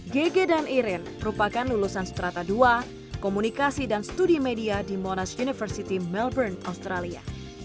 gg dan irin merupakan lulusan strata ii komunikasi dan studi media di monash university melbourne australia